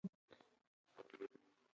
Baawolaa.